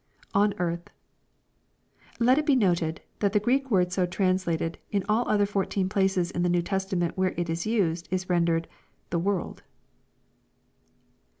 [On the earth.] Let it be noted, that the Greek word so trans lated, in all the other fourteen places in the New Testament where it is used, is rendered, " the world."